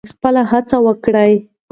خپله هڅه وکړئ.